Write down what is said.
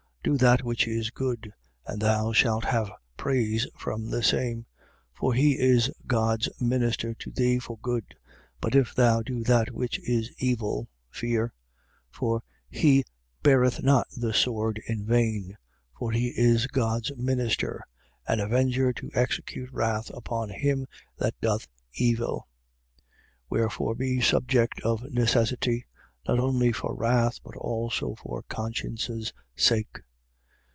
Do that which is good: and thou shalt have praise from the same. 13:4. For he is God's minister to thee, for good. But if thou do that which is evil, fear: for he beareth not the sword in vain. For he is God's minister: an avenger to execute wrath upon him that doth evil. 13:5. Wherefore be subject of necessity: not only for wrath, but also for conscience' sake.